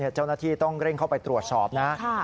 เจ้าหน้าที่ต้องเร่งเข้าไปตรวจสอบนะ